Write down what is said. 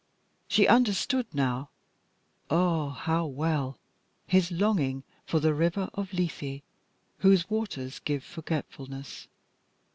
She understood now ah! how well his longing for the river of Lethe whose waters give forgetfulness.